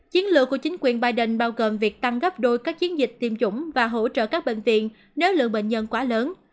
chiến lược của chính quyền biden bao gồm việc tăng gấp đôi các chiến dịch tiêm chủng và hỗ trợ các bệnh viện nếu lượng bệnh nhân quá lớn